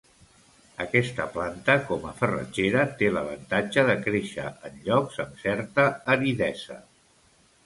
Aquesta planta com a farratgera té l'avantatge de créixer en llocs amb certa aridesa.